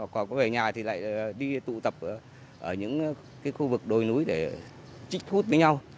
còn về nhà thì lại đi tụ tập ở những khu vực đồi núi để trích hút với nhau